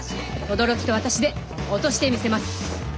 轟と私で落としてみせます。